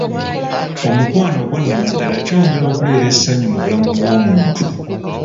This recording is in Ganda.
Omukwano ogwa nnamaddala kyongera okuleeta essanyu mu bulamu bw'omuntu.